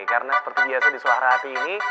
karena seperti biasa di suara hati ini